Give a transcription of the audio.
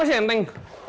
kalau udah matang